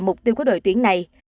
lợi thế tiêu của đội tuyển này